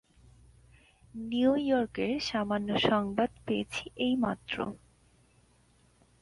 New ইয়র্কের সামান্য সংবাদ পেয়েছি এইমাত্র।